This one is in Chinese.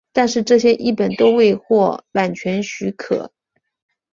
但这些译本都未获版权许可。